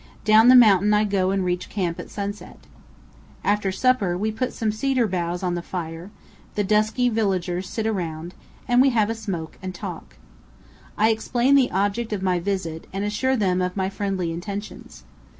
Down the mountain I go and reach camp at sunset. After supper we put some cedar boughs on the fire; the dusky villagers sit around, and we have a smoke and a talk. I explain the object of my visit, and assure them of my friendly intentions.